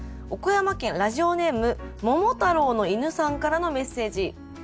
岡山県ラジオネーム桃太郎の犬さんからのメッセージ。